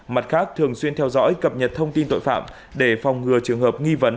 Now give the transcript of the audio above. mặt khác thường xuyên theo dõi cập nhật thông tin tội phạm để phòng ngừa trường hợp nghi vấn